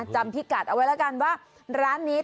จำพิกัดเอาไว้แล้วกันว่าร้านนี้